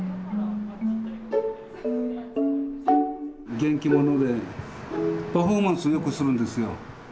元気者でパフォーマンスをよくするんですよ。